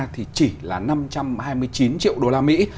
thì chỉ là năm trăm hai mươi chín triệu đô la mỹ